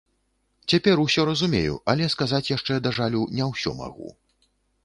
Цяпер усё разумею, але сказаць яшчэ, да жалю, не ўсё магу.